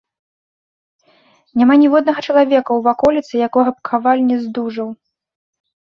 Няма ніводнага чалавека ў ваколіцы, якога б каваль не здужаў.